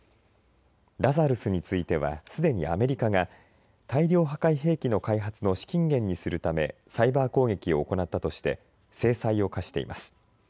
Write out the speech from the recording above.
ラザルスについては、すでにアメリカが大量破壊兵器の開発の資金源にするためサイバー攻撃を行ったとして制裁を科しています。